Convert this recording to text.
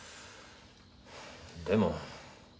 でも。